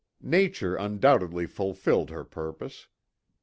Nature undoubtedly fulfilled her purpose.